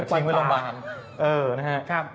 ทิ้งไว้ล่อวางเออนะครับ